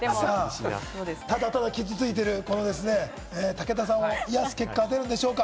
ただただ傷ついている武田さんを癒やす結果が出るんでしょうか？